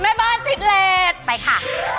แม่บ้านติดเลสไปค่ะ